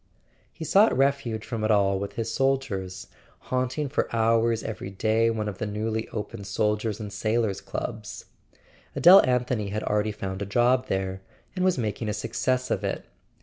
He sought refuge from it all with his soldiers, haunt¬ ing for hours every day one of the newly opened Sol¬ diers' and Sailors' Clubs. Adele Anthony had already found a job there, and was making a success of it.